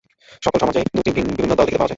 সকল সমাজেই দুইটি বিভিন্ন দল দেখিতে পাওয়া যায়।